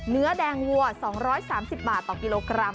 เนื้อแดงวัว๒๓๐บาทต่อกิโลกรัม